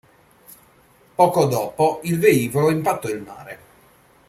Poco dopo il velivolo impattò il mare.